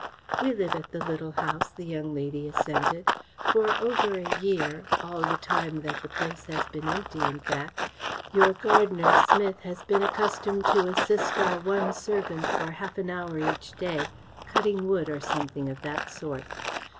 "We live at the Little House," the young lady assented. "For over a year all the time that the place has been empty, in fact your gardener, Smith, has been accustomed to assist our one servant for half an hour each day, cutting wood or something of that sort.